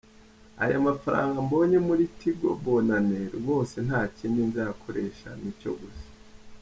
Aya mafaranga mbonye muri Tigo Bonane rwose ntakindi nzayakoresha nicyo gusa.